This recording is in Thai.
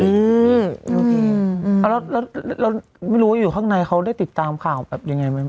โอเคแล้วไม่รู้ว่าอยู่ข้างในเขาได้ติดตามข่าวแบบยังไงไหม